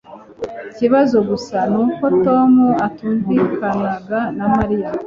Ikibazo gusa ni uko Tom atumvikanaga na Mariya.